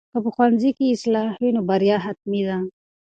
که په ښوونځي کې اخلاص وي نو بریا حتمي ده.